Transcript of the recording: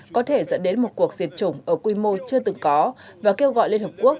có thể dẫn đến một cuộc diệt chủng ở quy mô chưa từng có và kêu gọi liên hợp quốc